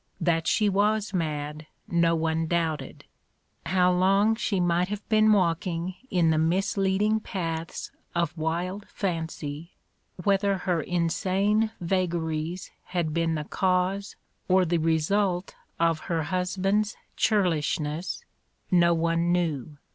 That she was mad no one doubted. How long she might have been walking in the misleading paths of wild fancy, whether her insane vagaries had been the cause or the result of her husband's churlishness, no one knew.